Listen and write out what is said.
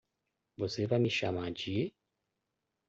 Você vai me chamar de?